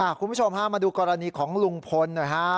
คุณผู้ชมมาดูกรณีของลุงพลนะครับ